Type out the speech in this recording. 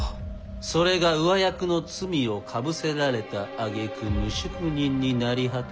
それが上役の罪をかぶせられたあげく無宿人に成り果てた。